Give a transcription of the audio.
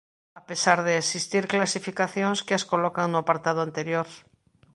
A pesar de existir clasificacións que as colocan no apartado anterior.